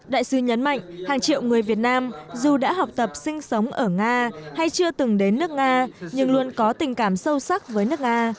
đại sứ nhấn mạnh hàng triệu người việt nam dù đã học tập sinh sống ở nga hay chưa từng đến nước nga nhưng luôn có tình cảm sâu sắc với nước nga